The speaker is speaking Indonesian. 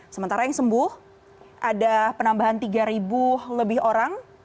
sementara yang sembuh ada penambahan tiga lebih orang